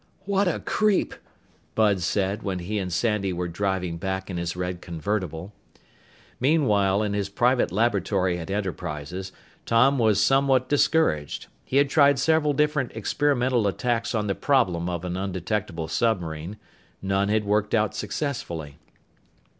"What a creep!" Bud said, when he and Sandy were driving back in his red convertible. Meanwhile, in his private laboratory at Enterprises, Tom was somewhat discouraged. He had tried several different experimental attacks on the problem of an undetectable submarine. None had worked out successfully.